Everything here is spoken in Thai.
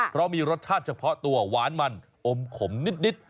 เพราะมีรสชาติเฉพาะตัวหวานมันอมขมนิด